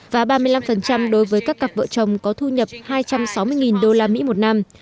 và ba mươi năm đối với các cặp vợ chồng có thu nhập hai trăm sáu mươi đô la mỹ một năm